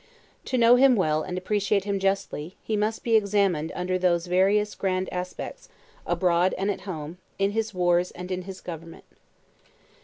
To know him well and appreciate him justly, he must be examined under those various grand aspects, abroad and at home, in his wars and in his government.